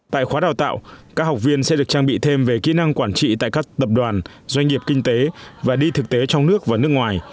tại khóa đào tạo các học viên sẽ được trang bị thêm về kỹ năng quản trị tại các tập đoàn doanh nghiệp kinh tế và đi thực tế trong nước và nước ngoài